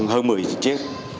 từ mùa sáng hơn một mươi chiếc